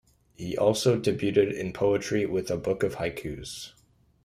He also debuted in poetry with a book of haikus.